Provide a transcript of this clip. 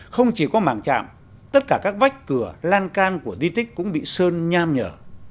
không chỉ có mảng chạm tất cả các vách cửa lan can của di tích cũng bị sơn nham nhở